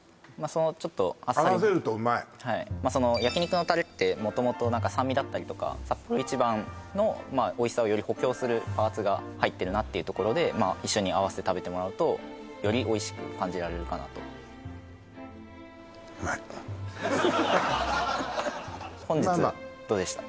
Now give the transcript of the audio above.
そのちょっとあっさりはいその焼肉のタレって元々酸味だったりとかサッポロ一番のおいしさをより補強するパーツが入ってるなっていうところで一緒に合わせて食べてもらうとよりおいしく感じられるかなと本日どうでした？